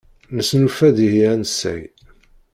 Nesnulfa-d ihi ansay.